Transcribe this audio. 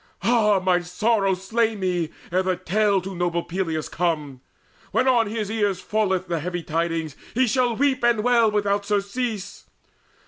Ah, might my sorrow slay me, ere the tale To noble Peleus come! When on his ears Falleth the heavy tidings, he shall weep And wail without surcease.